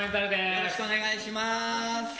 よろしくお願いします。